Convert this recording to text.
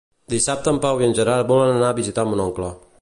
Dissabte en Pau i en Gerard volen anar a visitar mon oncle.